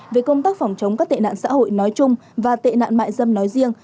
về công tác phòng chống các tệ nạn xã hội nói chung và tệ nạn mại dâm nói riêng